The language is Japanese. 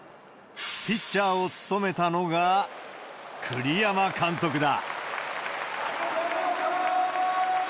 ピッチャーを務めたのが、栗山監督だ。